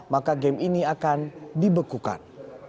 maka game ini akan dibekukan